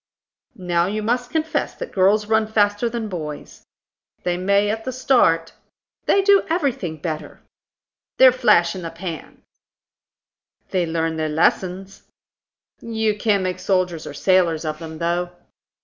"Now you must confess that girls run faster than boys." "They may at the start." "They do everything better." "They're flash in the pans." "They learn their lessons." "You can't make soldiers or sailors of them, though."